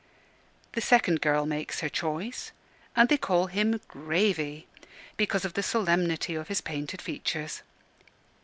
The second girl makes her choice, and they call him "Gravey" because of the solemnity of his painted features.